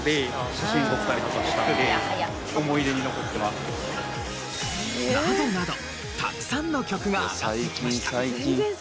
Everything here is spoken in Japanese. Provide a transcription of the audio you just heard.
すると。などなどたくさんの曲が挙がってきました。